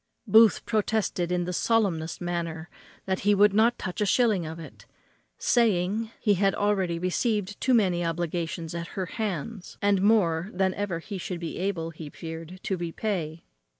Booth protested in the solemnest manner that he would not touch a shilling of it, saying, he had already received too many obligations at her hands, and more than ever he should be able, he feared, to repay.